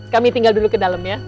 kami tinggal dulu ke dalam ya